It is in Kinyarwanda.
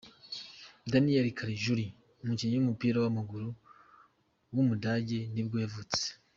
Daniel Caligiuri, umukinnyi w’umupira w’amaguru w’umudage nibwo yavutse.